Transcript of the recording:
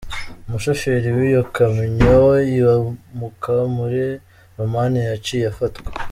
Umushoferi w'iyo kamyo yamuka muri Romania yaciye afatwa.